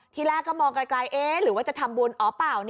ที่แรกก็มองไกลหรือว่าจะทำบุญอ๋อเปล่า